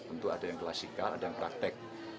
tentu ada yang klasikal ada yang praktek